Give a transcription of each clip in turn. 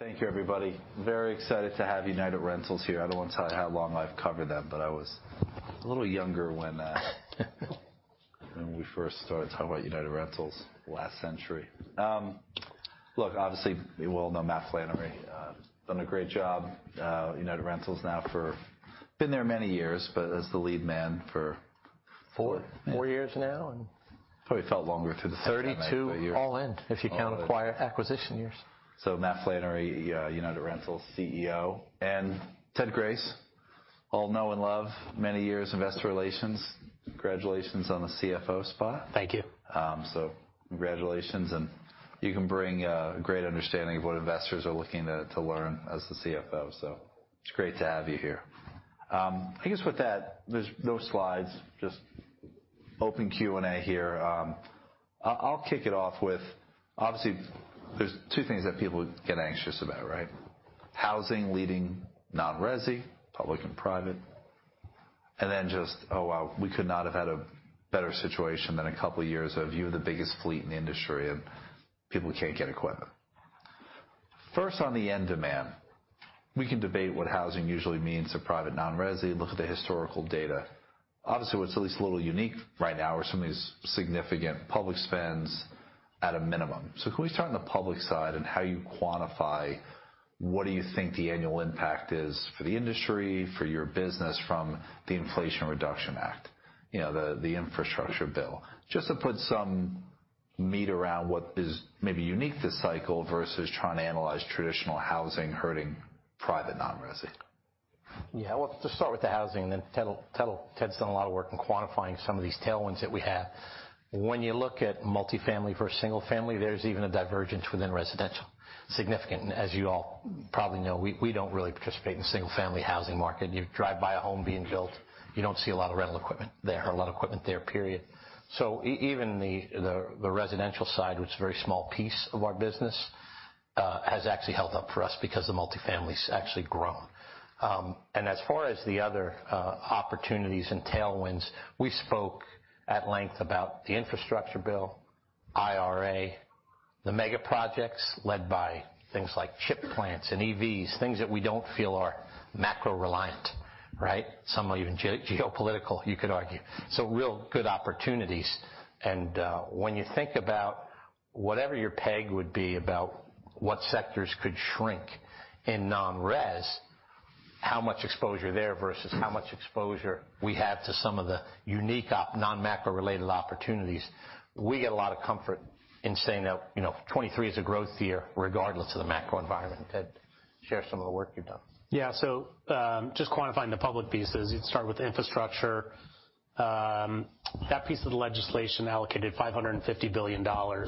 Thank you, everybody. Very excited to have United Rentals here. I don't want to tell you how long I've covered them, but I was a little younger when we first started talking about United Rentals last century. Look, obviously, we all know Matt Flannery has done a great job, United Rentals now for... Been there many years, but as the lead man for- Four years now. It's probably felt longer to-. 32 all in, if you count acquisition years. Matt Flannery, United Rentals CEO, and Ted Grace, all know and love, many years investor relations. Congratulations on the CFO spot. Thank you. Congratulations, and you can bring a great understanding of what investors are looking to learn as the CFO. It's great to have you here. I guess with that, there's no slides, just open Q&A here. I'll kick it off with, obviously, there's 2 things that people get anxious about, right? Housing leading non-resi, public and private. Just, we could not have had a better situation than a couple of years of you have the biggest fleet in the industry, and people can't get equipment. First, on the end demand, we can debate what housing usually means to private non-resi. Look at the historical data. Obviously, what's at least a little unique right now are some of these significant public spends at a minimum. Can we start on the public side and how you quantify what do you think the annual impact is for the industry, for your business from the Inflation Reduction Act, you know, the infrastructure bill? Just to put some meat around what is maybe unique this cycle versus trying to analyze traditional housing hurting private non-resi. Well, to start with the housing, then Ted's done a lot of work in quantifying some of these tailwinds that we have. When you look at multifamily versus single family, there's even a divergence within residential. Significant, as you all probably know, we don't really participate in the single-family housing market. You drive by a home being built, you don't see a lot of rental equipment there or a lot of equipment there, period. Even the residential side, which is a very small piece of our business, has actually held up for us because the multifamily has actually grown. As far as the other opportunities and tailwinds, we spoke at length about the infrastructure bill, IRA, the megaprojects led by things like chip plants and EVs, things that we don't feel are macro-reliant, right? Some are even geopolitical, you could argue. Real good opportunities. When you think about whatever your peg would be about what sectors could shrink in non-res, how much exposure there versus how much exposure we have to some of the unique non-macro related opportunities, we get a lot of comfort in saying that, you know, 2023 is a growth year regardless of the macro environment. Ted, share some of the work you've done. Yeah. Just quantifying the public pieces, you'd start with infrastructure. That piece of the legislation allocated $550 billion to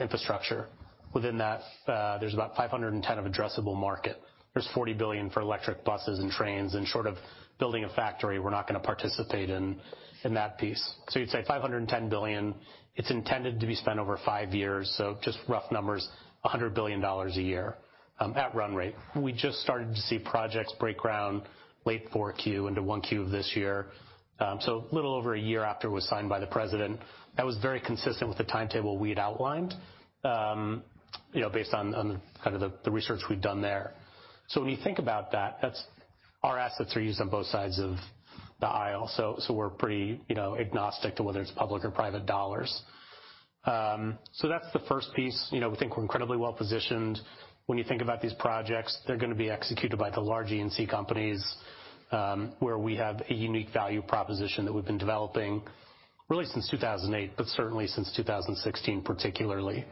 infrastructure. Within that, there's about $510 of addressable market. There's $40 billion for electric buses and trains. In short of building a factory, we're not gonna participate in that piece. You'd say $510 billion, it's intended to be spent over five years. Just rough numbers, $100 billion a year at run rate. We just started to see projects break ground late 4Q into 1Q of this year. A little over a year after it was signed by the president. That was very consistent with the timetable we had outlined, you know, based on kind of the research we've done there. When you think about that's our assets are used on both sides of the aisle. We're pretty, you know, agnostic to whether it's public or private dollars. That's the first piece. You know, we think we're incredibly well-positioned. When you think about these projects, they're gonna be executed by the large E&C companies, where we have a unique value proposition that we've been developing really since 2008, but certainly since 2016, particularly.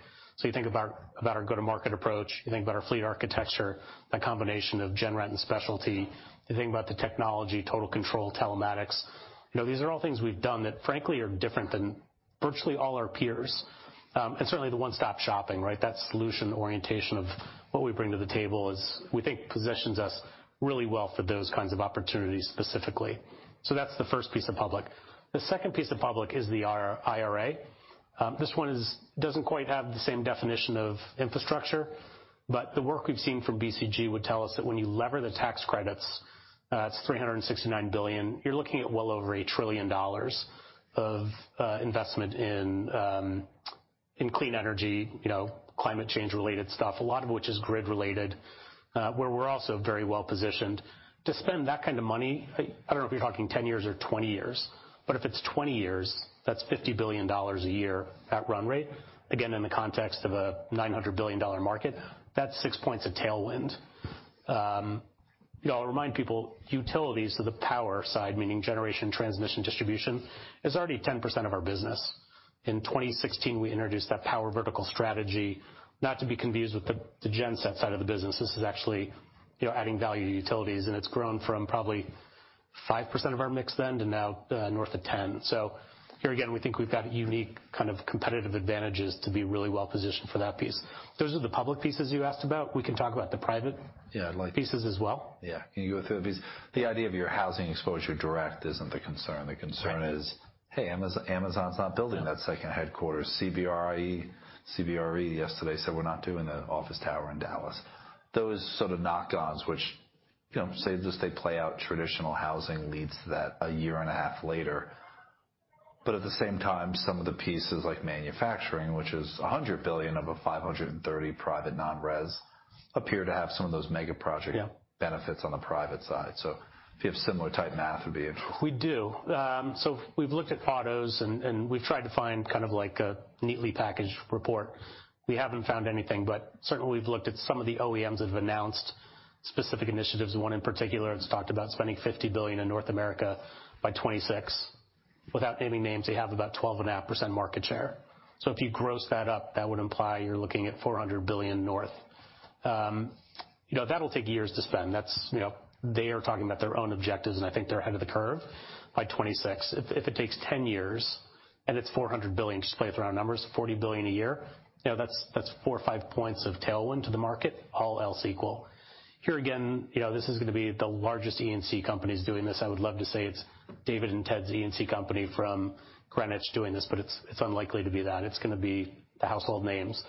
You think about our go-to-market approach, you think about our fleet architecture, that combination of Gen Rent and specialty. You think about the technology, Total Control telematics. You know, these are all things we've done that, frankly, are different than virtually all our peers. Certainly the one-stop shopping, right? That solution orientation of what we bring to the table is we think positions us really well for those kinds of opportunities specifically. That's the first piece of public. The second piece of public is the IRA. This one doesn't quite have the same definition of infrastructure, but the work we've seen from BCG would tell us that when you lever the tax credits, it's $369 billion, you're looking at well over $1 trillion of investment in clean energy, you know, climate change related stuff, a lot of which is grid related, where we're also very well-positioned. To spend that kind of money, I don't know if you're talking 10 years or 20 years, but if it's 20 years, that's $50 billion a year at run rate. In the context of a $900 billion market, that's six points of tailwind. I'll remind people, utilities to the power side, meaning generation, transmission, distribution, is already 10% of our business. In 2016, we introduced that power vertical strategy, not to be confused with the genset side of the business. This is actually, you know, adding value to utilities, and it's grown from probably 5% of our mix then to now, north of 10. Here again, we think we've got unique kind of competitive advantages to be really well-positioned for that piece. Those are the public pieces you asked about. We can talk about the private- Yeah. pieces as well. Yeah. Can you go through these? The idea of your housing exposure direct isn't the concern. The concern is. Right. hey, Amazon's not building that second headquarters. CBRE yesterday said, "We're not doing the office tower in Dallas." Those sort of knock-ons, which, you know, say just they play out traditional housing leads to that a year and a half later. At the same time, some of the pieces like manufacturing, which is $100 billion of a $530 private non-res, appear to have some of those mega project- Yeah. benefits on the private side. If you have similar type math, it'd be interesting. We do. We've looked at autos and we've tried to find kind of like a neatly packaged report. We haven't found anything, certainly we've looked at some of the OEMs that have announced specific initiatives. One in particular has talked about spending $50 billion in North America by 2026. Without naming names, they have about 12.5% market share. If you gross that up, that would imply you're looking at $400 billion north. You know, that'll take years to spend. That's, you know, they are talking about their own objectives, and I think they're ahead of the curve by 2026. If it takes 10 years and it's $400 billion, just play it through our numbers, $40 billion a year, you know, that's four or five points of tailwind to the market, all else equal. Here again, you know, this is gonna be the largest E&C companies doing this. I would love to say it's David and Ted's E&C company from Greenwich doing this, it's unlikely to be that. It's gonna be the household names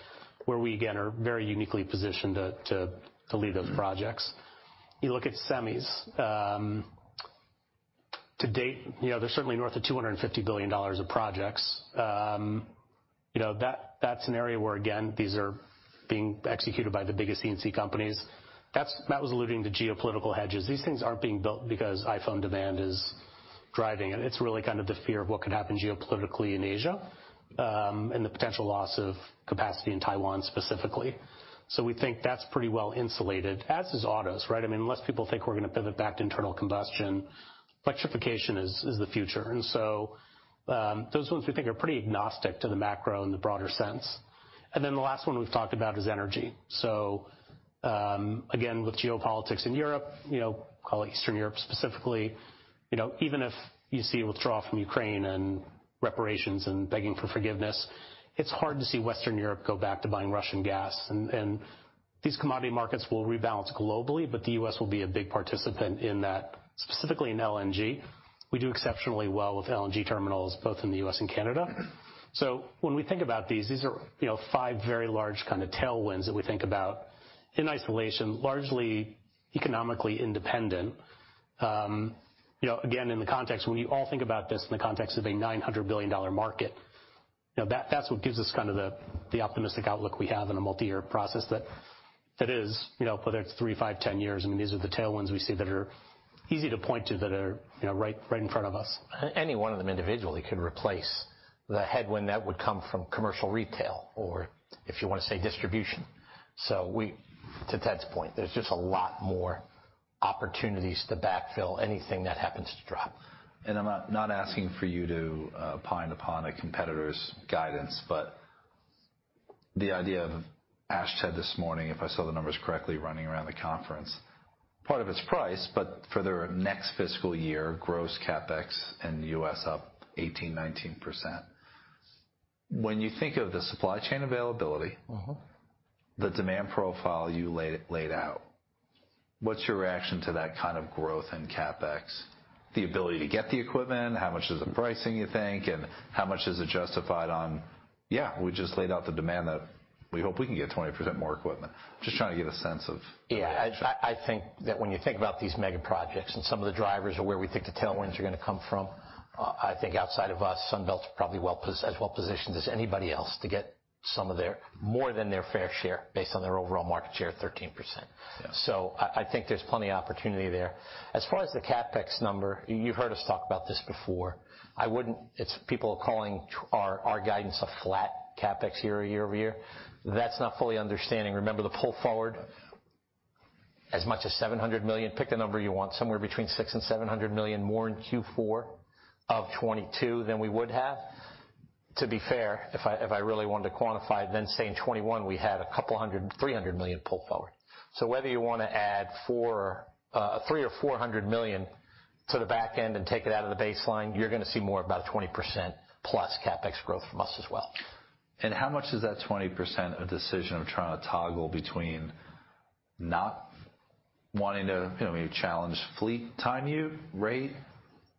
where we again, are very uniquely positioned to lead those projects. You look at semis. To date, you know, they're certainly north of $250 billion of projects. You know, that's an area where again, these are being executed by the biggest E&C companies. Matt was alluding to geopolitical hedges. These things aren't being built because iPhone demand is driving it. It's really kind of the fear of what could happen geopolitically in Asia, and the potential loss of capacity in Taiwan specifically. We think that's pretty well-insulated, as is autos, right? I mean, unless people think we're gonna pivot back to internal combustion, electrification is the future. Those ones we think are pretty agnostic to the macro in the broader sense. Then the last one we've talked about is energy. Again, with geopolitics in Europe, you know, call it Eastern Europe specifically, you know, even if you see a withdrawal from Ukraine and reparations and begging for forgiveness, it's hard to see Western Europe go back to buying Russian gas. These commodity markets will rebalance globally, but the U.S. will be a big participant in that, specifically in LNG. We do exceptionally well with LNG terminals, both in the U.S. and Canada. When we think about these are, you know, five very large kinda tailwinds that we think about in isolation, largely economically independent. You know, again, in the context when you all think about this in the context of a $900 billion market, you know, that's what gives us kind of the optimistic outlook we have in a multi-year process that is, you know, whether it's three, five, 10 years, I mean, these are the tailwinds we see that are easy to point to that are, you know, right in front of us. Any one of them individually could replace the headwind that would come from commercial retail or if you wanna say distribution. To Ted's point, there's just a lot more opportunities to backfill anything that happens to drop. I'm not asking for you to opine upon a competitor's guidance, but the idea of, Ash said this morning, if I saw the numbers correctly running around the conference, part of it's price, but for their next fiscal year, gross CapEx in the U.S. up 18%, 19%. When you think of the supply chain availability... Mm-hmm. the demand profile you laid out, what's your reaction to that kind of growth in CapEx? The ability to get the equipment, how much is the pricing you think, and how much is it justified on, "Yeah, we just laid out the demand that we hope we can get 20% more equipment." Just trying to get a sense of the reaction. Yeah. I think that when you think about these megaprojects and some of the drivers of where we think the tailwinds are gonna come from, I think outside of us, Sunbelt's probably as well-positioned as anybody else to get some of their more than their fair share based on their overall market share, 13%. Yeah. I think there's plenty opportunity there. As far as the CapEx number, you've heard us talk about this before. It's people calling our guidance a flat CapEx year-over-year. That's not fully understanding. Remember the pull forward as much as $700 million, pick the number you want, somewhere between $600 million-$700 million more in Q4 2022 than we would have. To be fair, if I really wanted to quantify it, say in 2021, we had a $200 million-$300 million pull forward. Whether you wanna add $300 million-$400 million to the back end and take it out of the baseline, you're gonna see more about a 20%+ CapEx growth from us as well. How much is that 20% a decision of trying to toggle between not wanting to, you know, challenge fleet time ute rate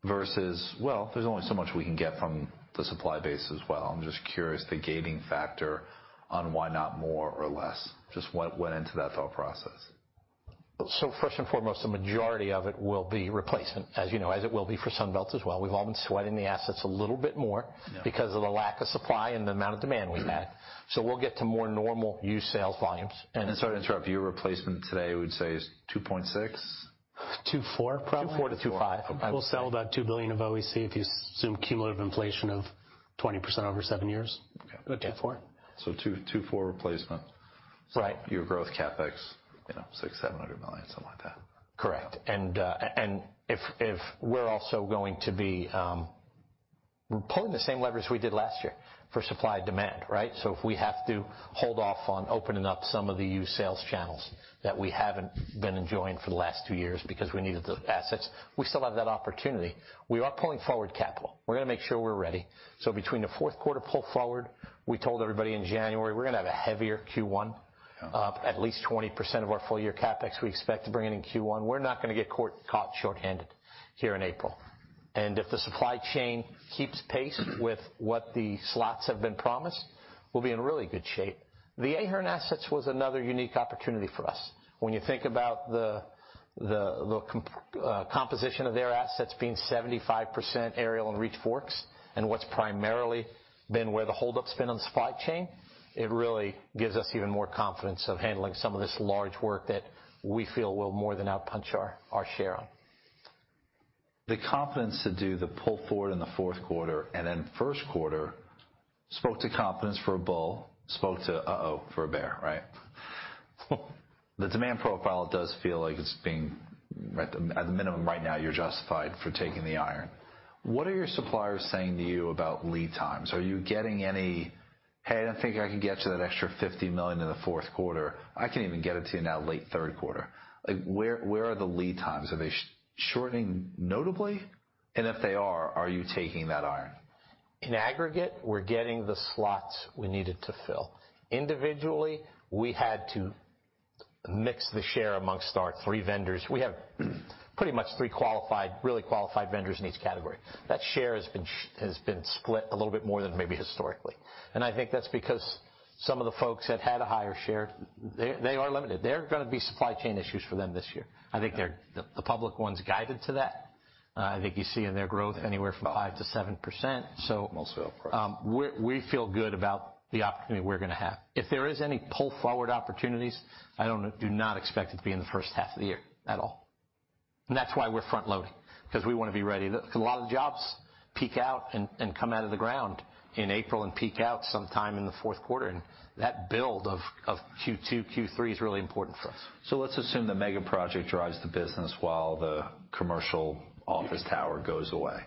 versus, "Well, there's only so much we can get from the supply base as well." I'm just curious the gating factor on why not more or less, just what went into that thought process. First and foremost, the majority of it will be replacement, as you know, as it will be for Sunbelt as well. We've all been sweating the assets a little bit more. Yeah. Because of the lack of supply and the amount of demand we've had. We'll get to more normal used sales volumes. Sorry to interrupt you. Replacement today, we'd say is 2.6? 2.4 probably. 2.4 to 2.5. We'll sell about $2 billion of OEC if you assume cumulative inflation of 20% over seven years. Okay. 2.4. 2.4 replacement. Right. Your growth CapEx, you know, $600 million-$700 million, something like that. Correct. If we're also going to be pulling the same levers we did last year for supply and demand, right? If we have to hold off on opening up some of the used sales channels that we haven't been enjoying for the last two years because we needed the assets, we still have that opportunity. We are pulling forward capital. We're gonna make sure we're ready. Between the fourth quarter pull forward, we told everybody in January, we're gonna have a heavier Q1. At least 20% of our full-year CapEx we expect to bring it in Q1. We're not gonna get caught shorthanded here in April. If the supply chain keeps pace with what the slots have been promised, we'll be in really good shape. The Ahern assets was another unique opportunity for us. When you think about the composition of their assets being 75% aerial and reach forks, and what's primarily been where the holdup's been on the supply chain, it really gives us even more confidence of handling some of this large work that we feel will more than out-punch our share. The confidence to do the pull forward in the fourth quarter and then first quarter spoke to confidence for a bull, spoke to uh-oh for a bear, right? The demand profile does feel like it's being, at the minimum right now, you're justified for taking the iron. What are your suppliers saying to you about lead times? Are you getting any, "Hey, I don't think I can get to that extra $50 million in the fourth quarter. I can't even get it to you now late third quarter." Like, where are the lead times? Are they shortening notably? If they are you taking that iron? In aggregate, we're getting the slots we needed to fill. Individually, we had to mix the share amongst our three vendors. We have pretty much three qualified, really qualified vendors in each category. That share has been split a little bit more than maybe historically. I think that's because some of the folks that had a higher share, they are limited. There are gonna be supply chain issues for them this year. I think the public ones guided to that. I think you see in their growth anywhere from 5%-7%. Most of them, right. We feel good about the opportunity we're gonna have. If there is any pull-forward opportunities, do not expect it to be in the first half of the year at all. That's why we're front loading, 'cause we wanna be ready. A lot of the jobs peak out and come out of the ground in April and peak out sometime in the fourth quarter, and that build of Q2, Q3 is really important for us. Let's assume the megaproject drives the business while the commercial office tower goes away.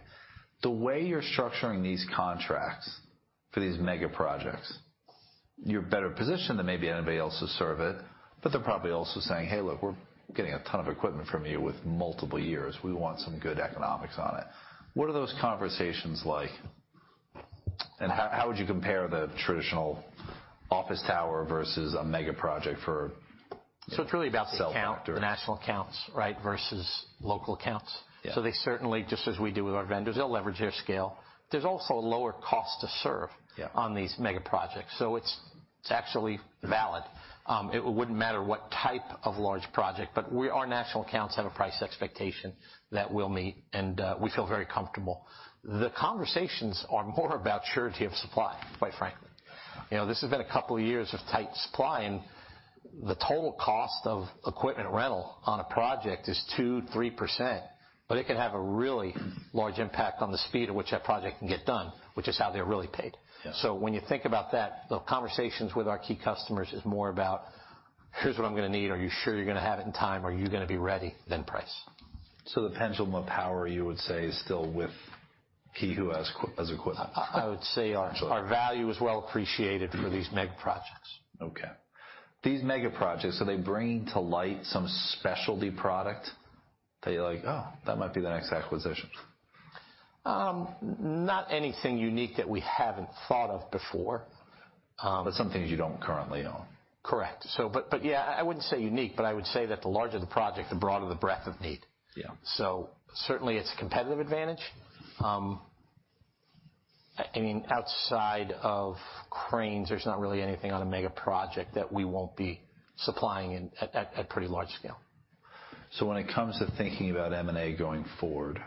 The way you're structuring these contracts for these megaprojects, you're better positioned than maybe anybody else to serve it, but they're probably also saying, "Hey, look, we're getting a ton of equipment from you with multiple years. We want some good economics on it." What are those conversations like? How would you compare the traditional office tower versus a megaproject for- It's really about the. Sell factor. National accounts, right, versus local accounts. Yeah. They certainly, just as we do with our vendors, they'll leverage their scale. There's also a lower cost to serve- Yeah. -on these megaprojects, It's actually valid. It wouldn't matter what type of large project, but our national accounts have a price expectation that we'll meet. We feel very comfortable. The conversations are more about surety of supply, quite frankly. You know, this has been a couple of years of tight supply. The total cost of equipment rental on a project is 2%, 3%, but it can have a really large impact on the speed at which that project can get done, which is how they're really paid. Yeah. When you think about that, the conversations with our key customers is more about, "Here's what I'm gonna need. Are you sure you're gonna have it in time? Are you gonna be ready?" than price. The pendulum of power, you would say, is still with he who has equipment. I would say our- Actually. our value is well appreciated for these megaprojects. Okay. These megaprojects, are they bringing to light some specialty product that you're like, "Oh, that might be the next acquisition"? Not anything unique that we haven't thought of before. Some things you don't currently own. Correct. But yeah, I wouldn't say unique, but I would say that the larger the project, the broader the breadth of need. Yeah. Certainly it's a competitive advantage. I mean, outside of cranes, there's not really anything on a megaproject that we won't be supplying at pretty large scale. When it comes to thinking about M&A going forward,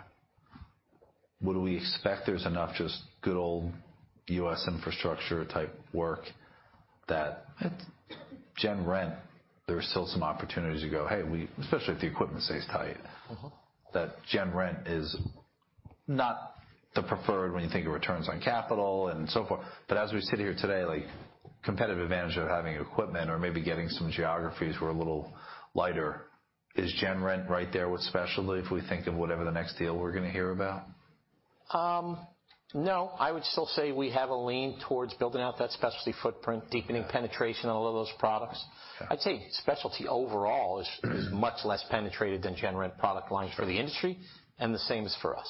would we expect there's enough just good old U.S. infrastructure type work that General Rentals, there are still some opportunities to go, "Hey, we..." Especially if the equipment stays tight. Mm-hmm. That General Rentals is not the preferred when you think of returns on capital and so forth. As we sit here today, like competitive advantage of having equipment or maybe getting some geographies who are a little lighter, is General Rentals right there with specialty if we think of whatever the next deal we're gonna hear about? No. I would still say we have a lean towards building out that specialty footprint, deepening penetration on all of those products. Okay. I'd say specialty overall is much less penetrated than General Rentals product lines for the industry, and the same is for us.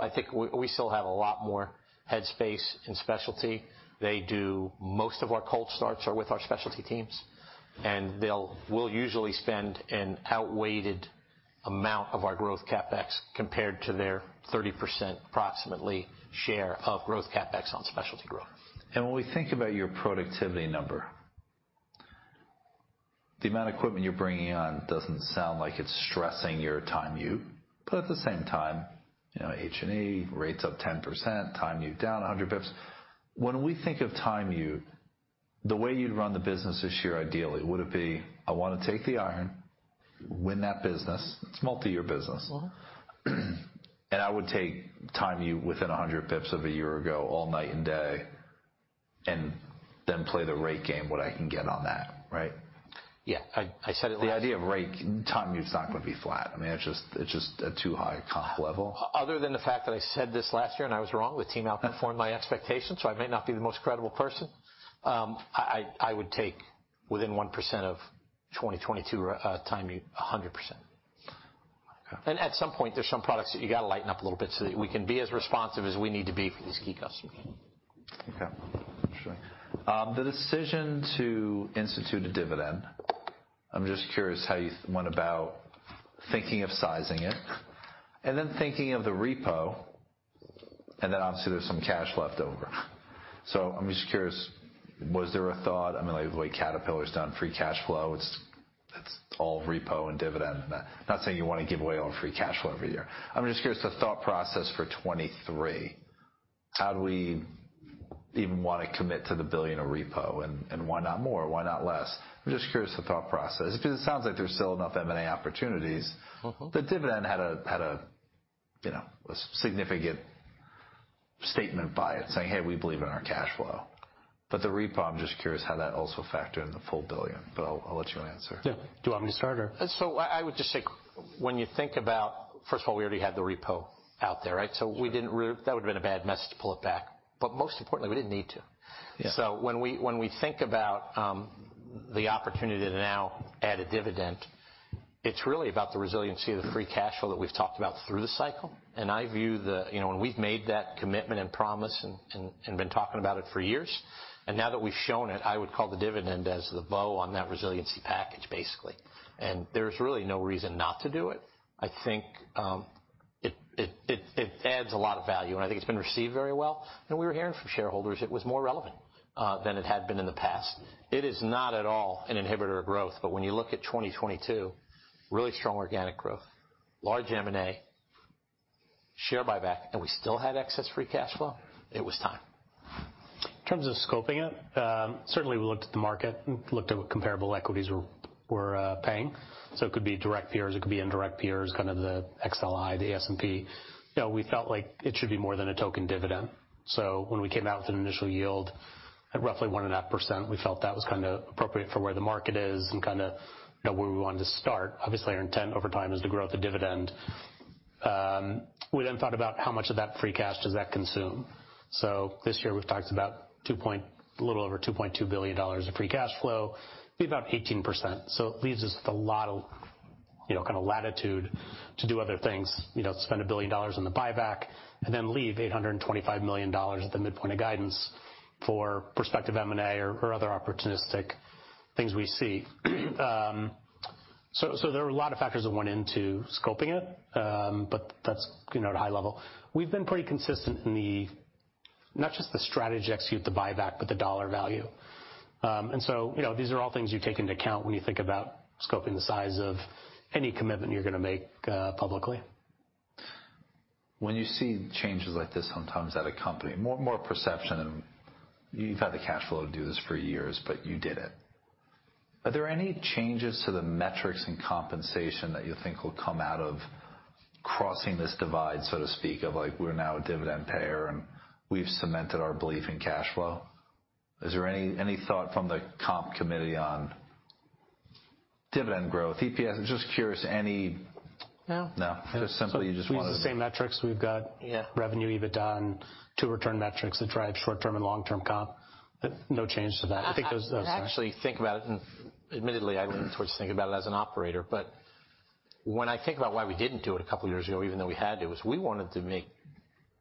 I think we still have a lot more head space in specialty. Most of our cold starts are with our specialty teams, and we'll usually spend an outweighed amount of our growth CapEx compared to their 30%, approximately, share of growth CapEx on specialty growth. When we think about your productivity number, the amount of equipment you're bringing on doesn't sound like it's stressing your time utilization. At the same time, you know, H&A rates up 10%, time utilization down 100 basis points. When we think of time utilization, the way you'd run the business this year ideally, would it be, I wanna take the iron, win that business, it's multi-year business? Mm-hmm. I would take time utilization within 100 basis points of a year ago all night and day, and then play the rate game, what I can get on that, right? Yeah. I said it last- The idea of rate, time utilization's not gonna be flat. I mean, it's just, it's just a too high comp level. Other than the fact that I said this last year and I was wrong, the team outperformed my expectations, so I may not be the most credible person, I would take within 1% of 2022 time utilization 100%. At some point, there's some products that you gotta lighten up a little bit so that we can be as responsive as we need to be for these key customers. Okay. Sure. The decision to institute a dividend, I'm just curious how you went about thinking of sizing it, and then thinking of the repo, and then obviously there's some cash left over. I'm just curious, was there a thought? I mean, like the way Caterpillar's done free cash flow, it's all repo and dividend. Not saying you wanna give away all free cash flow every year. I'm just curious the thought process for 2023. How do we even wanna commit to the $1 billion of repo, and why not more? Why not less? I'm just curious the thought process because it sounds like there's still enough M&A opportunities. Mm-hmm. The dividend had a, you know, a significant statement by it saying, "Hey, we believe in our cash flow." The repo, I'm just curious how that also factored in the $1 billion. I'll let you answer. Yeah. Do you want me to start or... I would just say when you think about. First of all, we already had the repo out there, right? That would've been a bad mess to pull it back. Most importantly, we didn't need to. Yeah. When we think about the opportunity to now add a dividend, it's really about the resiliency of the free cash flow that we've talked about through the cycle. I view the, you know, when we've made that commitment and promise and been talking about it for years, and now that we've shown it, I would call the dividend as the bow on that resiliency package, basically. There's really no reason not to do it. I think it adds a lot of value, and I think it's been received very well. We were hearing from shareholders it was more relevant than it had been in the past. It is not at all an inhibitor of growth, but when you look at 2022, really strong organic growth, large M&A, share buyback, and we still had excess free cash flow, it was time. In terms of scoping it, certainly we looked at the market and looked at what comparable equities were paying. It could be direct peers, it could be indirect peers, kind of the XLI, the S&P. You know, we felt like it should be more than a token dividend. When we came out with an initial yield at roughly 1.5%, we felt that was kind of appropriate for where the market is and kinda, you know, where we wanted to start. Obviously, our intent over time is to grow the dividend. We then thought about how much of that free cash does that consume. This year, we've talked about little over $2.2 billion of free cash flow, be about 18%. It leaves us with a lot of, you know, kind of latitude to do other things, you know, to spend $1 billion on the buyback and then leave $825 million at the midpoint of guidance for prospective M&A or other opportunistic things we see. There were a lot of factors that went into scoping it. That's, you know, at a high level. We've been pretty consistent in the, not just the strategy to execute the buyback, but the dollar value. These are all things you take into account when you think about scoping the size of any commitment you're gonna make, publicly. When you see changes like this sometimes at a company, more perception, and you've had the cash flow to do this for years, but you did it. Are there any changes to the metrics and compensation that you think will come out of crossing this divide, so to speak, of like, we're now a dividend payer, and we've cemented our belief in cash flow? Is there any thought from the comp committee on dividend growth, EPS? I'm just curious any. No. No. Just simply you just wanna We use the same metrics. Yeah... revenue, EBITDA, and two return metrics that drive short-term and long-term comp. No change to that. I think there's- Sorry. I actually think about it. Admittedly, I lean towards thinking about it as an operator. When I think about why we didn't do it a couple years ago, even though we had to, was we wanted to make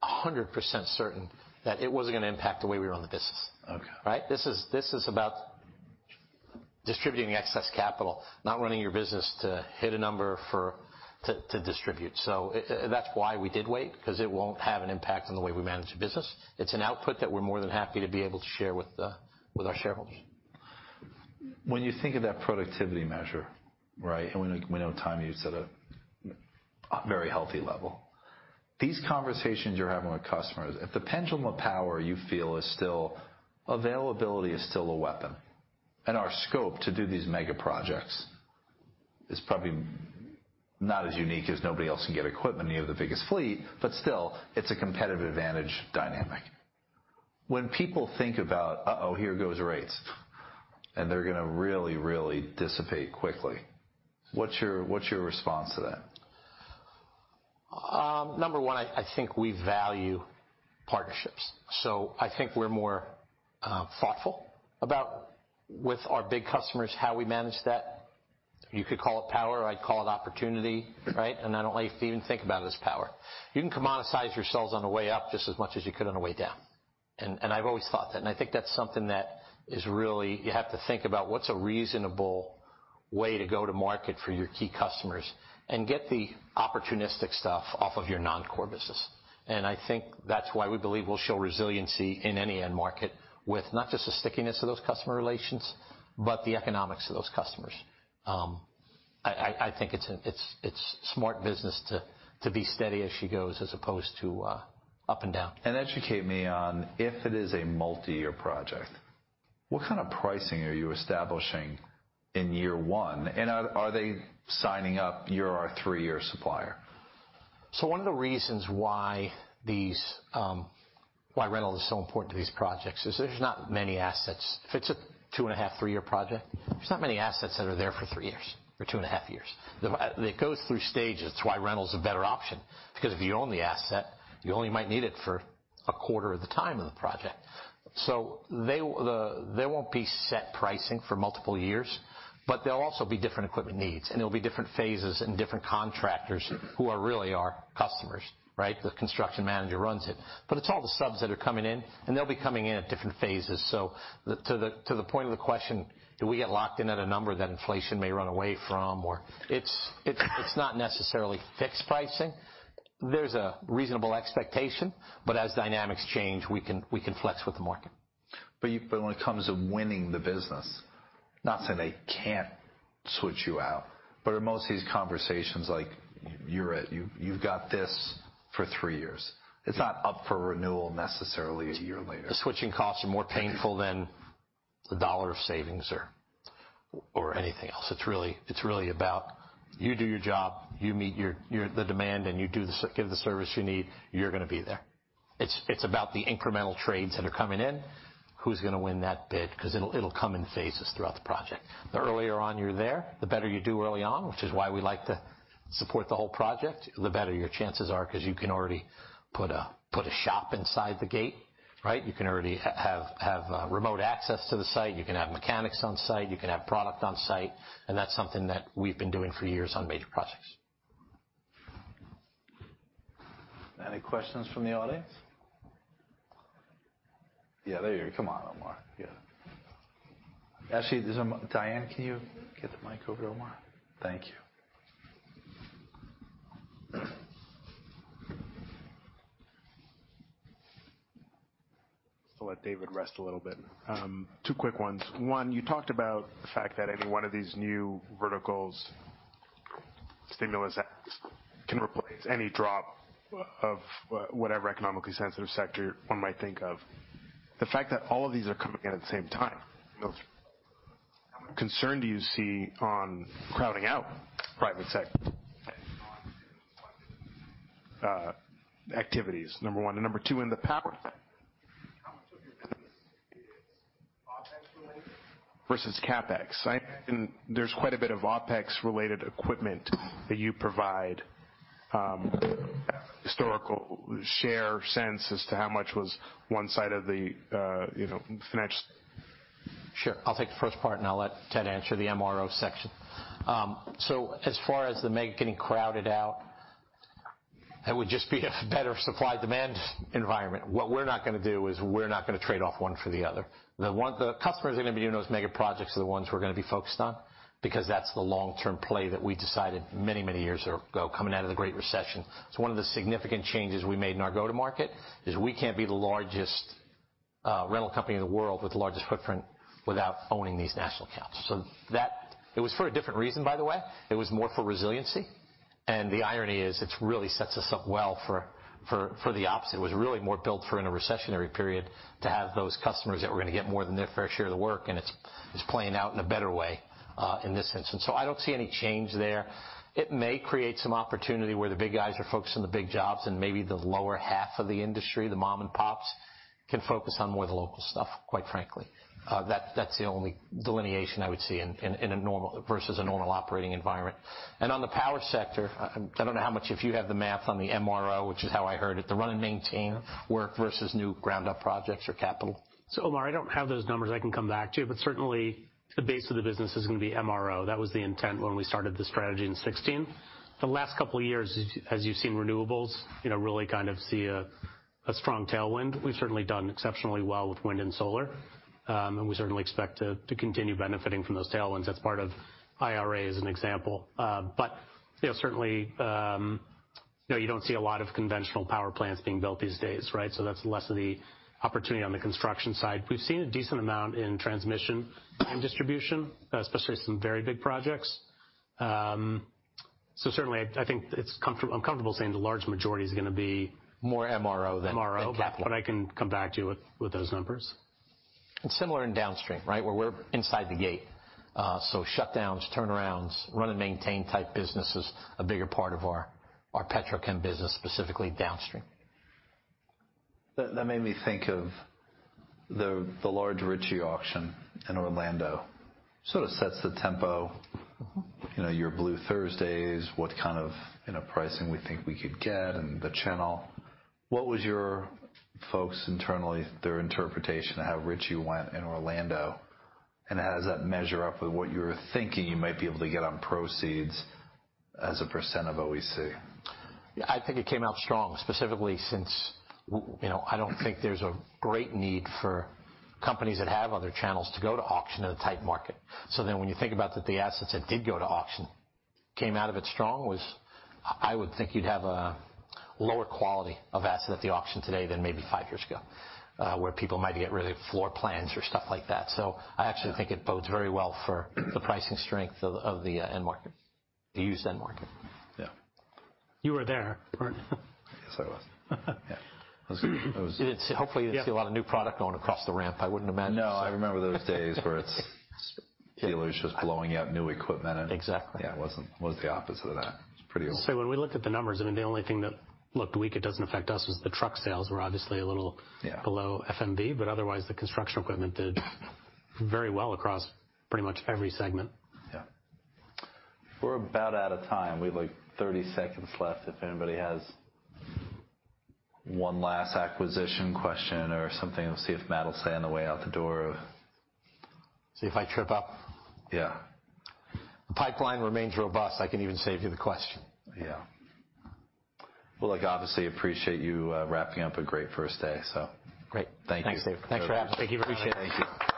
100% certain that it wasn't gonna impact the way we run the business. Okay. Right? This is about distributing excess capital, not running your business to hit a number for to distribute. That's why we did wait, because it won't have an impact on the way we manage the business. It's an output that we're more than happy to be able to share with our shareholders. When you think of that productivity measure, right? We know time you set a very healthy level. These conversations you're having with customers, if the pendulum of power you feel is still availability is still a weapon, and our scope to do these megaprojects is probably not as unique as nobody else can get equipment, and you have the biggest fleet, but still, it's a competitive advantage dynamic. When people think about, "Uh-oh, here goes rates," and they're gonna really dissipate quickly, what's your response to that? Number one, I think we value partnerships. I think we're more thoughtful about with our big customers, how we manage that. You could call it power. I'd call it opportunity, right? I don't like to even think about it as power. You can commoditize yourselves on the way up just as much as you could on the way down. I've always thought that, I think that's something that is really, you have to think about what's a reasonable way to go to market for your key customers and get the opportunistic stuff off of your non-core business. I think that's why we believe we'll show resiliency in any end market with not just the stickiness of those customer relations, but the economics of those customers. I think it's smart business to be steady as she goes as opposed to up and down. Educate me on if it is a multi-year project, what kind of pricing are you establishing in year one? Are they signing up, "You're our three-year supplier"? One of the reasons why these, why rental is so important to these projects is there's not many assets. If it's a 2.5, three-year project, there's not many assets that are there for three years or 2.5 years. It goes through stages. It's why rental is a better option because if you own the asset, you only might need it for a quarter of the time of the project. There won't be set pricing for multiple years, but there'll also be different equipment needs, and there'll be different phases and different contractors who are really our customers, right? The construction manager runs it. It's all the subs that are coming in, and they'll be coming in at different phases. To the point of the question, do we get locked in at a number that inflation may run away from? It's not necessarily fixed pricing. There's a reasonable expectation, but as dynamics change, we can flex with the market. When it comes to winning the business, not saying they can't switch you out, but are most of these conversations like, you're it, you've got this for three years. It's not up for renewal necessarily a year later. The switching costs are more painful than the dollar of savings or anything else. It's really about you do your job, you meet your, the demand, and you give the service you need, you're gonna be there. It's about the incremental trades that are coming in, who's gonna win that bid, 'cause it'll come in phases throughout the project. The earlier on you're there, the better you do early on, which is why we like to support the whole project, the better your chances are 'cause you can already put a shop inside the gate, right? You can already have remote access to the site. You can have mechanics on site. You can have product on site, and that's something that we've been doing for years on major projects. Any questions from the audience? Yeah, there you are. Come on, Omar. Yeah. Actually, there's a Diane, can you get the mic over to Omar? Thank you. Just to let David rest a little bit. Two quick ones. One, you talked about the fact that any one of these new verticals stimulus acts can replace any drop of whatever economically sensitive sector one might think of. The fact that all of these are coming in at the same time, how much concern do you see on crowding out private sector activities? Number one. Number two, in the power sector, how much of your business is OpEx related versus CapEx? I think there's quite a bit of OpEx-related equipment that you provide. Historical share sense as to how much was one side of the, you know, financial. Sure. I'll take the first part, and I'll let Ted answer the MRO section. So as far as the megaprojects getting crowded out, it would just be a better supply-demand environment. What we're not gonna do is we're not gonna trade off one for the other. The customers are gonna be doing those megaprojects are the ones we're gonna be focused on because that's the long-term play that we decided many, many years ago coming out of the Great Recession. It's one of the significant changes we made in our go-to-market, is we can't be the largest rental company in the world with the largest footprint without owning these national accounts. It was for a different reason, by the way. It was more for resiliency, and the irony is it really sets us up well for the opposite. It was really more built for in a recessionary period to have those customers that were gonna get more than their fair share of the work, and it's playing out in a better way, in this instance. I don't see any change there. It may create some opportunity where the big guys are focused on the big jobs and maybe the lower half of the industry, the mom and pops, can focus on more of the local stuff, quite frankly. That's the only delineation I would see in a normal versus a normal operating environment. On the power sector, I don't know how much if you have the math on the MRO, which is how I heard it, the run and maintain work versus new ground up projects or capital. Omar, I don't have those numbers. I can come back to you. Certainly, the base of the business is gonna be MRO. That was the intent when we started the strategy in 2016. The last couple of years, as you've seen renewables, you know, really kind of see a strong tailwind. We've certainly done exceptionally well with wind and solar. And we certainly expect to continue benefiting from those tailwinds. That's part of IRA, as an example. You know, certainly, you know, you don't see a lot of conventional power plants being built these days, right? That's less of the opportunity on the construction side. We've seen a decent amount in transmission and distribution, especially some very big projects. I think I'm comfortable saying the large majority is gonna be. More MRO than capital. MRO. I can come back to you with those numbers. Similar in downstream, right? Where we're inside the gate. Shutdowns, turnarounds, run and maintain type business is a bigger part of our petrochem business, specifically downstream. That made me think of the large Ritchie auction in Orlando. Sort of sets the tempo, you know, your Blue Thursdays, what kind of, you know, pricing we think we could get and the channel. What was your folks internally, their interpretation of how Ritchie went in Orlando? How does that measure up with what you were thinking you might be able to get on proceeds as a percent of OEC? I think it came out strong, specifically since you know, I don't think there's a great need for companies that have other channels to go to auction in a tight market. When you think about that the assets that did go to auction came out of it strong, was I would think you'd have a lower quality of asset at the auction today than maybe five years ago, where people might be getting rid of floor plans or stuff like that. I actually think it bodes very well for the pricing strength of the, of the end market. The used end market. Yeah. You were there, right? Yes, I was. Yeah. It was. Hopefully, you didn't see a lot of new product going across the ramp, I wouldn't imagine. No, I remember those days where it's dealers just blowing out new equipment. Exactly. Yeah, it wasn't. It was the opposite of that. It was pretty old. When we looked at the numbers, I mean, the only thing that looked weak, it doesn't affect us, was the truck sales were obviously. Yeah. -below FMD. Otherwise, the construction equipment did very well across pretty much every segment. We're about out of time. We have, like, 30 seconds left if anybody has one last acquisition question or something. We'll see if Matt will say on the way out the door. See if I trip up. Yeah. Pipeline remains robust. I can even save you the question. Yeah. Well, look, obviously appreciate you, wrapping up a great first day, so. Great. Thank you. Thanks, David. Thanks for having us. Thank you very much. Appreciate it. Thank you.